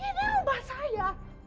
ini rumah saya